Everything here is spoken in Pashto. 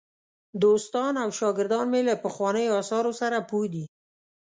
دوستان او شاګردان مې له پخوانیو آثارو سره پوه دي.